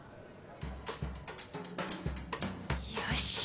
よし。